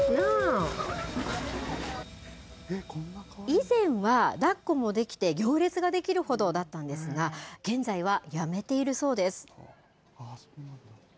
以前は、だっこもできて行列ができるほどだったんですが現在は、やめているそうです。